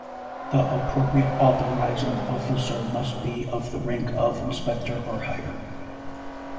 The appropriate authorising officer must be of the rank of Inspector or higher.